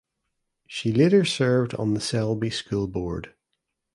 She later served on the Selby School Board.